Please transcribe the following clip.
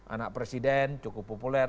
anak presiden cukup populer